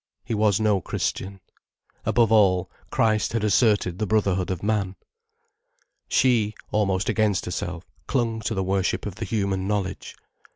He was no Christian. Above all, Christ had asserted the brotherhood of man. She, almost against herself, clung to the worship of the human knowledge.